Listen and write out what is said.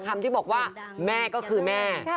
คำที่บอกว่าแม่ก็คือแม่